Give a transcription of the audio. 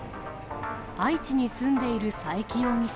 愛知に住んでいる佐伯容疑者。